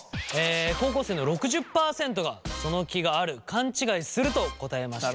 高校生の６０％がその気がある勘違いすると答えました。